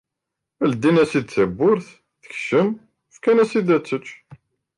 Ldin-as-id tawwurt, tekcem, fkan-ad ad tečč.